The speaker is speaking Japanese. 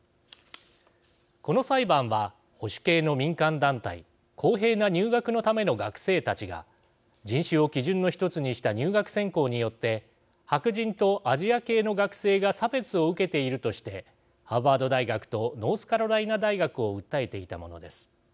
この裁判は保守系の民間団体公平な入学のための学生たちが人種を基準の１つにした入学選考によって白人とアジア系の学生が差別を受けているとしてハーバード大学とノースカロライナ大学を訴えていたものです。